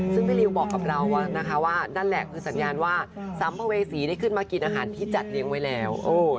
ซึ่งพี่ริวบอกกับเรานะคะว่านั่นแหละคือสัญญาณว่าสัมภเวษีได้ขึ้นมากินอาหารที่จัดเลี้ยงไว้แล้ว